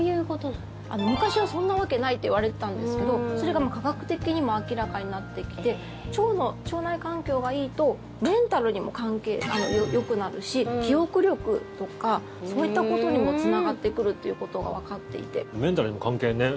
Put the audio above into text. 昔は、そんなことわけとかいわれていたんですけどそれが科学的にも明らかになってきて腸内環境がいいとメンタルもよくなるし記憶力とかそういったことにもつながってくるということがわかっていて。